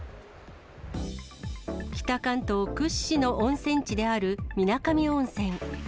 北関東屈指の温泉地である水上温泉。